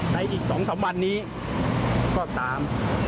ในอีกสองสามวันนี้ก็ตาม